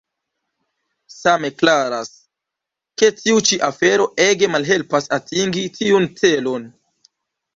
Same klaras, ke tiu ĉi afero ege malhelpas atingi tiun celon.